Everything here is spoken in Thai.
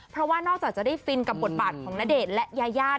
เพราะว่านอกจากจะได้ฟินกับบทบาทของณเดชน์และยายา